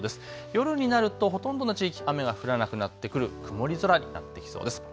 夜になるとほとんどの地域、雨が降らなくなってくる曇り空になってきそうです。